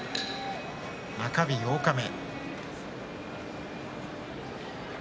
中日八日目。